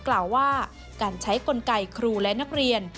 กล่าวว่าการใช้กลไกครูและนักเรียน